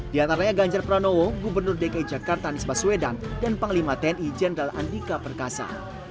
di antaranya ganjar pranowo gubernur dki jakarta anies baswedan dan panglima tni jenderal andika perkasa